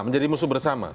menjadi musuh bersama